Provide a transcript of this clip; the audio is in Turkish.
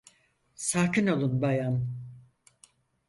Sakin olun bayan.